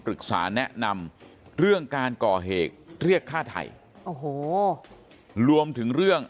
แนะนำเรื่องการก่อเหตุเรียกฆ่าไทยโอ้โหรวมถึงเรื่อง